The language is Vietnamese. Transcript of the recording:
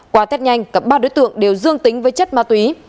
qua tết nhanh cả ba đối tượng đều dương tính với chất ma túy